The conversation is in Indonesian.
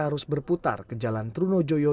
harus berputar ke jalan trunojoyo